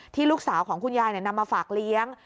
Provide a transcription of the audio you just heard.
ลูกสาวของคุณยายนำมาฝากเลี้ยง